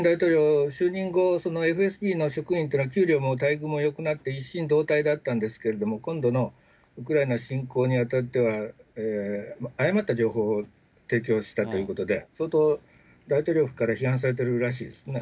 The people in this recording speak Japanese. プーチン大統領は就任後、ＦＳＢの職員というのは給料も待遇もよくなって、一心同体だったんですけれども、今度のウクライナ侵攻にあたっては、誤った情報を提供したということで、そうすると大統領府から批判されるようですね。